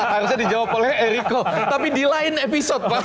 harusnya dijawab oleh errico tapi di lain episode pak